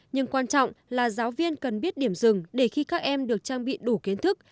nhưng quan trọng là giáo viên cần biết điểm rừng để khi các em được trang bị đủ kiến thức